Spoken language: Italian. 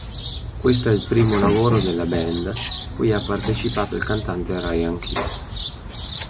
Questo è il primo lavoro della band cui ha partecipato il cantante Ryan Key.